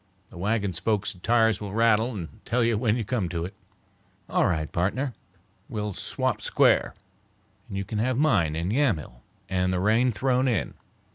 The wagon spokes and tires will rattle and tell you when you come to it." "All right, partner, we'll swap square, you can have mine in Yamhill and the rain thrown in.